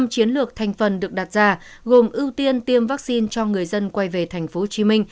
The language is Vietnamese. năm chiến lược thành phần được đặt ra gồm ưu tiên tiêm vaccine cho người dân quay về tp hcm